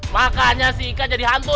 makanya si ikan jadi hantu